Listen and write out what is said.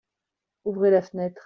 Ouvrez la fenêtre.